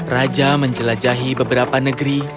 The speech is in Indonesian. raja menjelajahi beberapa negeri